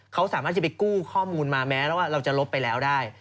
เขาสามารถจะไปกู้ข้อมูลมาแม้แล้วว่าเราจะลบไปแล้วได้